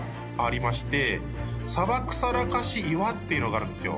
鯖くさらかし岩っていうのがあるんですよ。